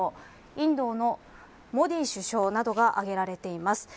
インドのモディ首相などが挙げられています。